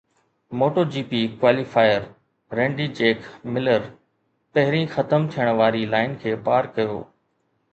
MotoGP qualifier Randy Jack Miller پهرين ختم ٿيڻ واري لائن کي پار ڪيو